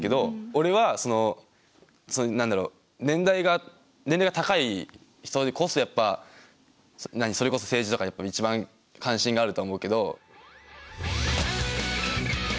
俺はその何だろう年代が年齢が高い人にこそやっぱそれこそ政治とかやっぱ一番関心があると思うけど。